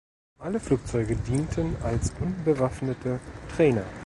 Alle Flugzeuge dienten als unbewaffnete Trainer.